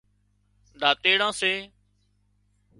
ۮاتيڙان سي